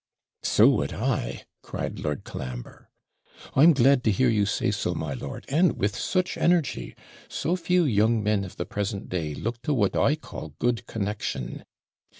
'So would I,' cried Lord Colambre. 'I am glad to hear you say so, my lord, and with such energy; so few young men of the present day look to what I call good connexion.